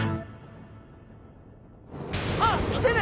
あっきてる！